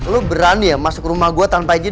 lo berani ya masuk rumah gue tanpa ijin